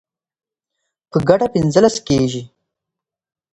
په ګډه پنځلس کیږي